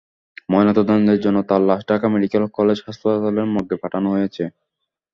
ময়নাতদন্তের জন্য তাঁর লাশ ঢাকা মেডিকেল কলেজ হাসপাতালের মর্গে পাঠানো হয়েছে।